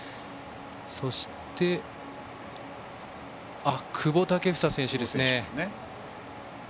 そして、久保建英選手ですね。